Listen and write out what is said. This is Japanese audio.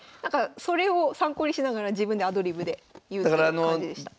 それを参考にしながら自分でアドリブで言うって感じでした。